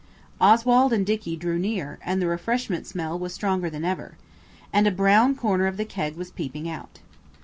Oswald and Dicky drew near, and the refreshment smell was stronger than ever. And a brown corner of the keg was peeping out.